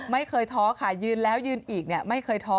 ท้อค่ะยืนแล้วยืนอีกเนี่ยไม่เคยท้อ